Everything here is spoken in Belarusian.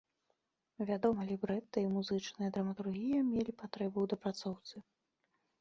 Вядома, і лібрэта, і музычная драматургія мелі патрэбу ў дапрацоўцы.